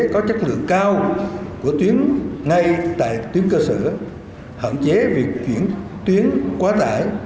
có chất lượng cao của tuyến ngay tại tuyến cơ sở hạn chế việc chuyển tuyến quá tải